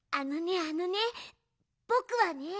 あのねぼくはね